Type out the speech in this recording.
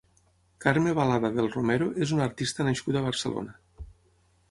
Carme Balada del Romero és una artista nascuda a Barcelona.